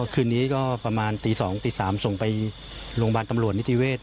คืนนี้ก็ประมาณตี๒ตี๓ส่งไปโรงพยาบาลตำรวจนิติเวศ